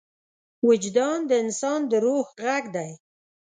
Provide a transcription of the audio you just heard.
وجدان د انسان د روح غږ دی.